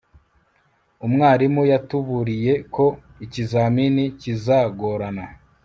umwarimu yatuburiye ko ikizamini kizagorana